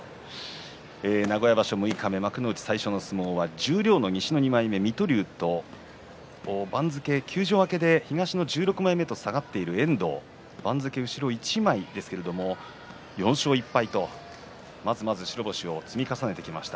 名古屋場所六日目幕内最初の相撲は十両の西の２枚目水戸龍と番付、休場明けで東の１６枚目と下がっている遠藤番付後ろ一枚ですけれども４勝１敗とまずまず白星を積み重ねてきました